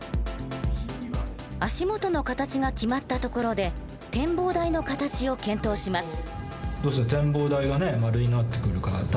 足元の形が決まったところで展望台の形を検討します。